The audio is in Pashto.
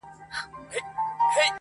د خپل ورور زړه یې څیرلی په خنجر دی؛